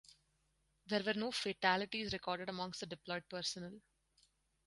There were no fatalities recorded amongst the deployed personnel.